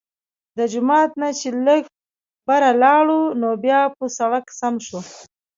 د جومات نه چې لږ بره لاړو نو بيا پۀ سړک سم شو